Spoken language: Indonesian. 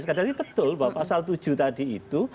jadi betul bahwa pasal tujuh tadi itu